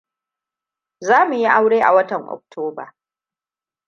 Za mu yi aure a watan Oktoba.